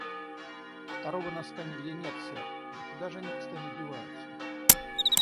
«Второго носка нигде нет, сэр». — «Да куда же они постоянно деваются?»